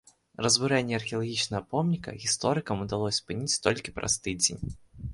Разбурэнне археалагічнага помніка гісторыкам удалося спыніць толькі праз тыдзень.